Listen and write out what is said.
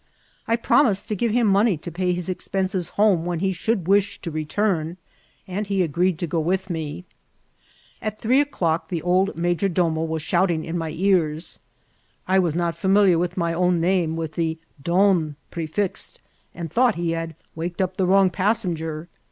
I promised to give him money to pay his expenses home when he should wish to return, and he agreed to go with me. At three o'clock the old ma* jor domo was shouting in my ears. I was not familiar with my own name with the don prefixed, and thought he had '' waked up the wrong passenger."